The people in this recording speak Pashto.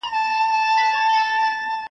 چی له خولې به یې تیاره مړۍ لوېږی .